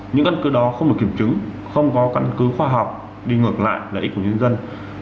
những căn cứ đó không được kiểm chứng không có căn cứ khoa học đi ngược lại lấy của nhân dân